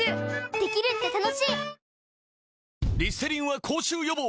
できるって楽しい！